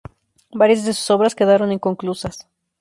Varias de sus obras quedaron inconclusas.